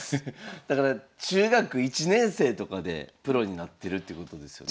だから中学１年生とかでプロになってるってことですよね？